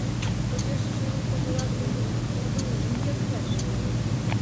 «Почешыже ӱлкӧ волаш гын, тудо ужын кертеш.